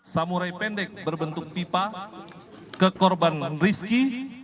samurai pendek berbentuk pipa ke korban rizki